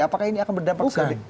apakah ini akan berdampak